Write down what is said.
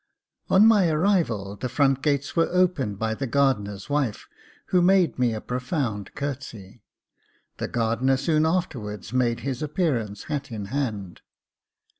On my arrival, the front gates were opened by the gardener's wife, v/ho made me a profound courtesy. The gardener soon afterwards made his appearance, hat in hand.